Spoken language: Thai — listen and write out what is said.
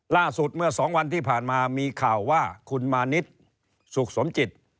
ล่าสุดเมื่อ๒วันที่ผ่านมามีข่าวว่าคุณมานิดสุขสมจิต